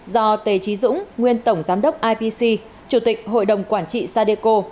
do tề trí dũng nguyên tổng giám đốc ipc chủ tịch hội đồng quản trị sadeco